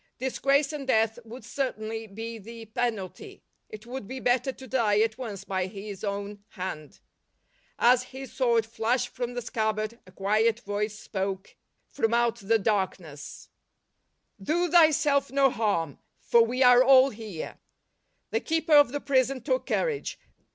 Disgrace and death would certainly be the penalty ; it would be better to die at once by his own hand. As his sword flashed from the scabbard a quiet voice spoke I' flii'juivyj', I I " Ilf iia* SECOND JOURNEY 65 from out the darkness :" Do thj^self no harm, for we are all here." The keeper of the prison took courage.